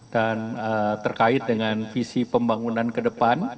dan terkait dengan visi pembangunan ke depan